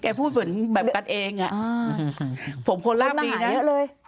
แกพูดเหมือนแบบกันเองอ่ะอ่าผมคนราบดีน่ะมาหาเยอะเลย